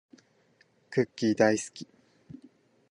クッキーだーいすき